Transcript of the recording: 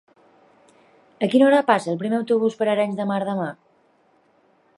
A quina hora passa el primer autobús per Arenys de Mar demà?